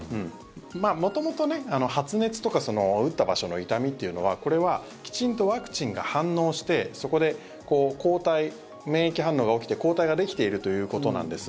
元々、発熱とか打った場所の痛みというのはこれはきちんとワクチンが反応してそこで抗体免疫反応が起きて抗体ができているということなんです。